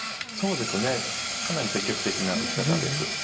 そうですねかなり積極的な打ち方です。